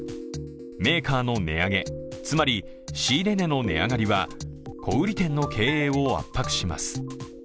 メーカーの値上げ、つまり仕入れ値の値上がりは小売店の経営を圧迫します。